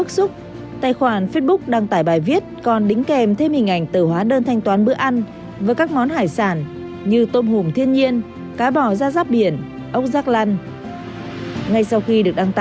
xin chào và hẹn gặp lại